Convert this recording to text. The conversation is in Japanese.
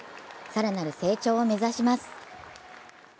更なる成長を目指します。